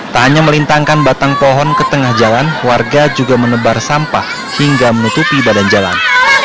tak hanya melintangkan batang pohon ke tengah jalan warga juga menebar sampah hingga menutupi badan jalan